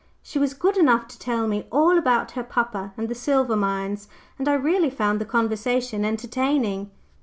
She was good enough to tell me all about her papa and the silver mines, and I really found the conversation entertaining."